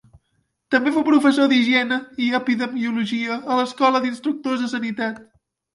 També fou professor d'Higiene i Epidemiologia a l'Escola d'Instructors de Sanitat.